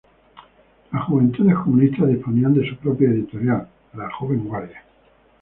Las juventudes comunistas disponían de su propia editorial, la "Joven Guardia".